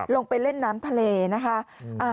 ลงไปเล่นน้ำทะเลนะคะ